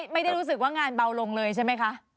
ไม่ได้รู้สึกว่างานเบาลงเลยใช่ไหมคะ